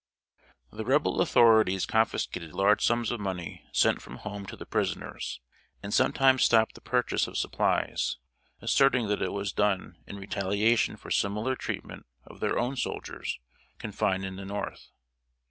] The Rebel authorities confiscated large sums of money sent from home to the prisoners, and sometimes stopped the purchase of supplies, asserting that it was done in retaliation for similar treatment of their own soldiers confined in the North.